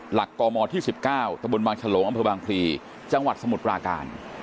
หลักกมที่๑๙ตะบนบางฉลงอำเภอบางพลีจังหวัดสมุทรปราการ